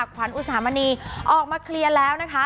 ขวัญอุสามณีออกมาเคลียร์แล้วนะคะ